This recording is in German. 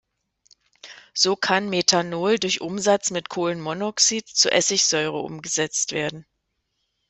So kann Methanol durch Umsatz mit Kohlenmonoxid zu Essigsäure umgesetzt werden.